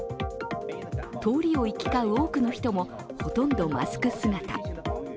通りを行き交う多くの人もほとんどマスク姿。